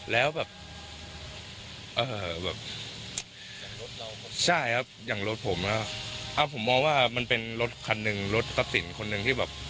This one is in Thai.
แล้วแบบใช่ครับอย่างรถผมผมมองว่ามันเป็นรถคันหนึ่งรถกับสินคนหนึ่ง